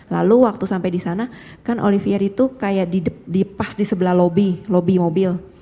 lalu waktu sampai di sana kan olivier itu kayak dipas di sebelah lobby lobby mobil